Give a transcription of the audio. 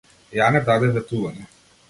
Јане даде ветување.